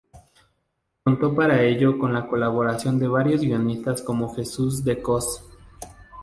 Contó para ello con la colaboración de varios guionistas como Jesús de Cos.